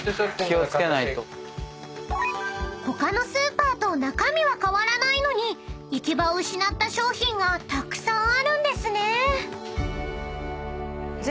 ［他のスーパーと中身は変わらないのに行き場を失った商品がたくさんあるんですね］